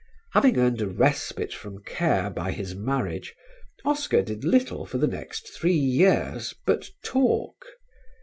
Having earned a respite from care by his marriage, Oscar did little for the next three years but talk.